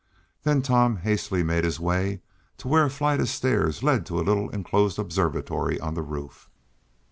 Then Tom hastily made his way to where a flight of stairs led to a little enclosed observatory on the roof.